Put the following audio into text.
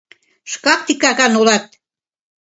Шкак титакан улат!..